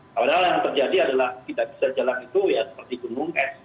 padahal yang terjadi adalah tidak bisa jalan itu ya seperti gunung es